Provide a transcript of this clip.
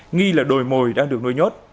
nghi là đồi mồi đang được nuôi nhốt